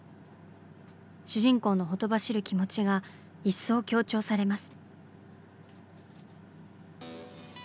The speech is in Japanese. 主人公のほとばしる気持ちが一層強調されます。